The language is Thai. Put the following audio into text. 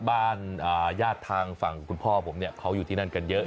บ้านญาติทางฝั่งคุณพ่อผมเนี่ยเขาอยู่ที่นั่นกันเยอะ